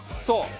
そう。